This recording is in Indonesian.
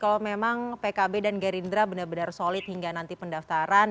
kalau memang pkb dan gerindra benar benar solid hingga nanti pendaftaran